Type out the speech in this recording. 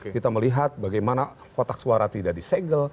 kita melihat bagaimana kotak suara tidak disegel